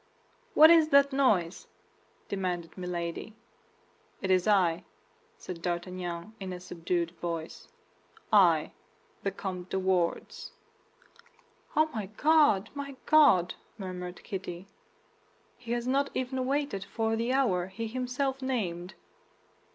"What is that noise?" demanded Milady. "It is I," said D'Artagnan in a subdued voice, "I, the Comte de Wardes." "Oh, my God, my God!" murmured Kitty, "he has not even waited for the hour he himself named!"